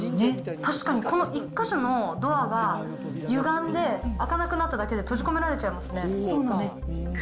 確かに、この１か所のドアがゆがんで開かなくなっただけで、閉じ込められそうなんです。